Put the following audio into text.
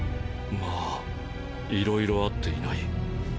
まぁいろいろあっていない。